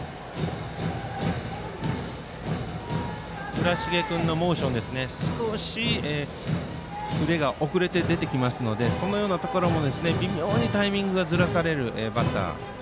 倉重君のモーションですが少し腕が遅れて出てきますのでそのようなところも微妙にタイミングがずらされるバッター。